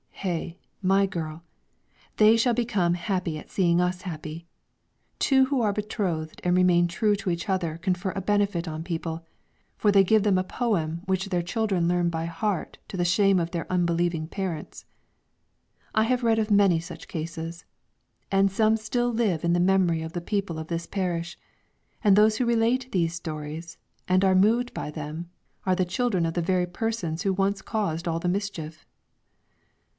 Hey, my girl! they shall become happy at seeing us happy; two who are betrothed and remain true to each other confer a benefit on people, for they give them a poem which their children learn by heart to the shame of their unbelieving parents. I have read of many such cases; and some still live in the memory of the people of this parish, and those who relate these stories, and are moved by them, are the children of the very persons who once caused all the mischief.